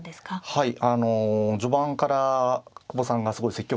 はい。